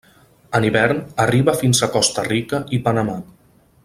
En hivern arriba fins a Costa Rica i Panamà.